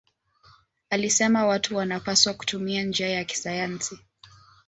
Alisema watu wanapaswa kutumia njia ya kisayansi.